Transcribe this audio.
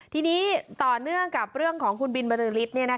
ทีนี้ต่อเนื่องกับเรื่องของคุณบินบริษฐ์